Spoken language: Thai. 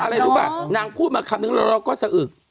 พออะไรว่านางพูดนึงเราก็เสือก